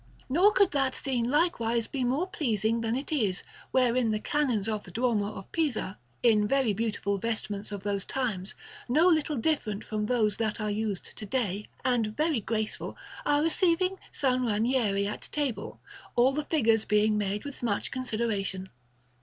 Nor could that scene likewise be more pleasing than it is, wherein the Canons of the Duomo of Pisa, in very beautiful vestments of those times, no little different from those that are used to day and very graceful, are receiving S. Ranieri at table, all the figures being made with much consideration.